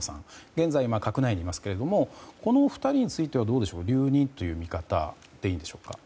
現在、閣内にいますけれどもこの２人については留任という見方でいいんでしょうか。